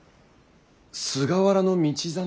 菅原道真